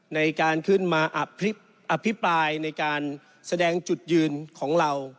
ในการขึ้นมาอภิปรายในการแสดงจุดยืนของเรา